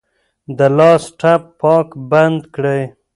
د لاس ټپ پاک بند کړئ.